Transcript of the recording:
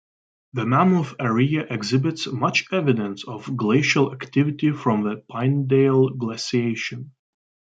The Mammoth area exhibits much evidence of glacial activity from the Pinedale Glaciation.